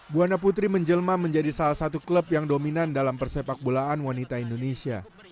buana putri menjelma menjadi salah satu klub yang dominan dalam persepak bolaan wanita indonesia